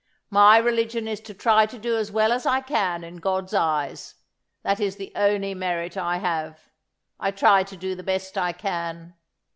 "My religion is to try to do as well as I can in God's eyes. That is the only merit I have. I try to do the best I can.